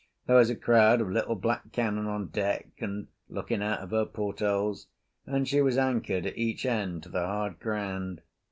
There was a crowd of little black cannon on deck and looking out of her port holes, and she was anchored at each end to the hard ground.